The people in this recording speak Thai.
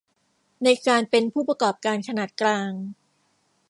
ในการเป็นผู้ประกอบการขนาดกลาง